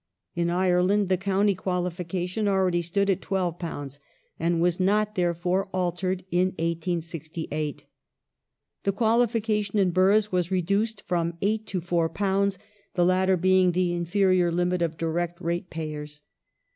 In Ireland the county qualification already stood at £12, and was not, therefore, altered in 1868 ; the qualification in boroughs was reduced from £8 to £4, the latter being the inferior limit of direct ratepayers.